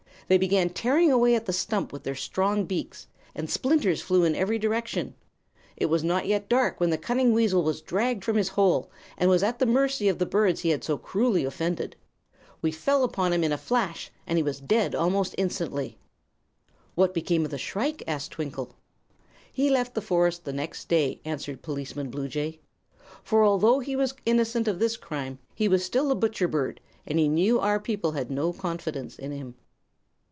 They began tearing away at the stump with their strong beaks, and the splinters flew in every direction. It was not yet dark when the cunning weasel was dragged from his hole and was at the mercy of the birds he had so cruelly offended. We fell upon him in a flash, and he was dead almost instantly." "What became of the shrike?" asked Twinkle. "He left the forest the next day," answered Policeman Bluejay. "For although he was innocent of this crime, he was still a butcher bird, and he knew our people had no confidence in him."